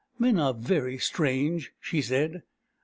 " Men are very strange," she said.